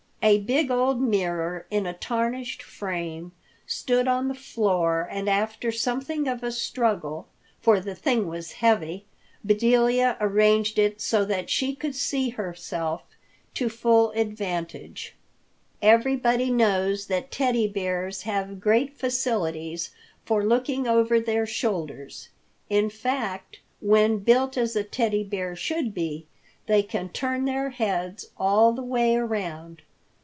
A big, old mirror in a tarnished frame stood on the floor and after something of a struggle, for the thing was heavy, Bedelia arranged it so that she could see herself to full advantage. Everybody knows that Teddy Bears have great facilities for looking over their shoulders. In fact, when built as a Teddy Bear should be, they can turn their heads all the way around.